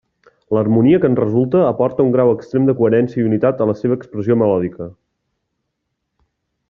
L'harmonia que en resulta aporta un grau extrem de coherència i unitat a la seva expressió melòdica.